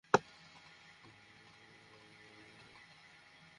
রাজধানী বামাকোতে কয়েক দিনের মধ্যে একই ধরনের দ্বিতীয় হামলার ঘটনা এটি।